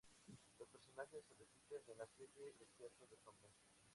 Los personajes se repiten en la serie "El teatro de sombras".